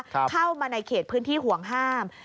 เข้ามาในเขตพื้นที่ห่วงห้าม